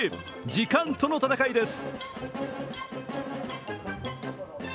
時間との戦いです。